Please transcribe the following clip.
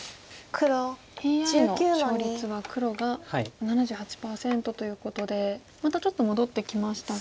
ＡＩの勝率は黒が７８％ということでまたちょっと戻ってきましたが。